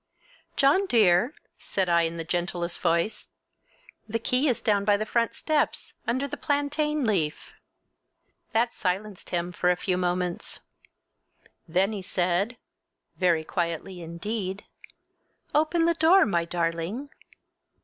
"John dear!" said I in the gentlest voice, "the key is down by the front steps, under a plantain leaf!" That silenced him for a few moments. Then he said—very quietly indeed, "Open the door, my darling!"